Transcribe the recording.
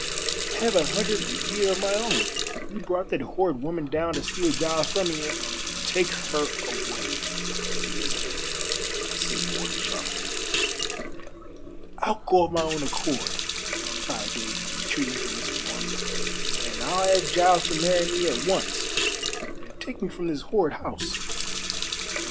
I have a hundred a year of my own. You brought that horrid woman down to steal Giles from me, and " "Take her away, Elizabeth," said Morley sharply. "I'll go of my own accord," cried Daisy, retreating from Mrs. Morley; "and I'll ask Giles to marry me at once, and take me from this horrid house.